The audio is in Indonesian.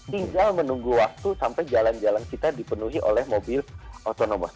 tinggal menunggu waktu sampai jalan jalan kita dipenuhi oleh mobil otonomous